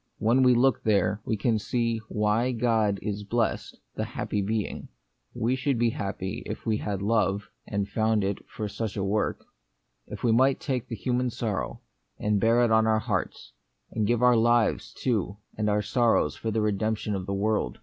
When we look there, we can see why God is the blest, the happy Being. We should be happy if we had love, and found for it such a work; if we might take the human sorrow, and bear it on our hearts, and give our lives, The Mystery of Pain. 19 too, and our sorrows for the redemption of the world.